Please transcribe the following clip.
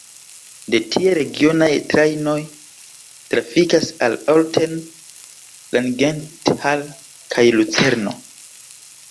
De tie regionaj trajnoj trafikas al Olten, Langenthal kaj Lucerno.